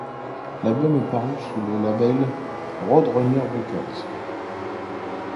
L'album est paru le sous le label Roadrunner Records.